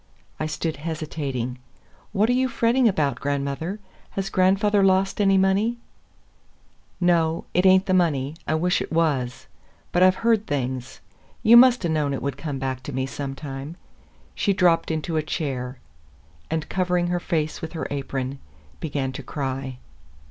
I stood hesitating. "What are you fretting about, grandmother? Has grandfather lost any money?" "No, it ain't money. I wish it was. But I've heard things. You must 'a' known it would come back to me sometime." She dropped into a chair, and covering her face with her apron, began to cry.